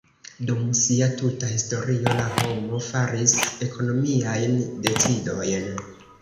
Dum sia tuta historio la homo faris ekonomiajn decidojn.